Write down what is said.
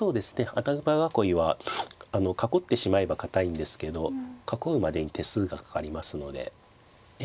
穴熊囲いは囲ってしまえば堅いんですけど囲うまでに手数がかかりますのでえ